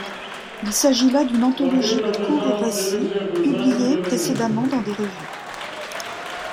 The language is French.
Il s'agit là d'une anthologie de courts récits publiées précédemment dans des revues.